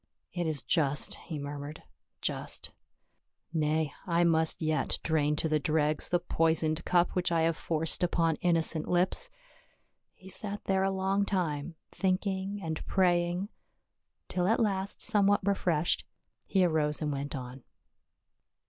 " It is just," he murmured, " just. Nay, I must yet drain to the dregs the poi soned cup which I have forced upon innocent lips." He sat there a long time thinking and praying, till at last somewhat refreshed, he arose and went on.